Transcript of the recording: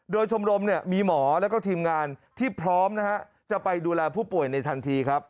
โดยชมรมเนี่ยมีหมอแล้วก็ทีมงานที่พร้อมนะฮะจะไปดูแลผู้ป่วยในทันทีครับ